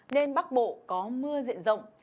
nên bắc bộ có mưa diện rộng